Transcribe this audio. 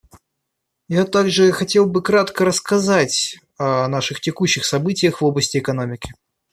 Я также хотел бы кратко рассказать о наших текущих событиях в области экономики.